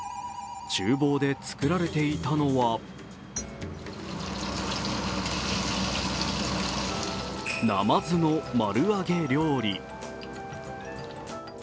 ちゅう房で作られていたのはなまずの丸揚げ料理。